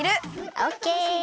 オッケー。